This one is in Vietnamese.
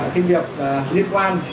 kinh nghiệp liên quan